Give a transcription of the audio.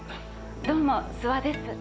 どうも諏訪です。